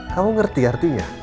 kamu ngerti artinya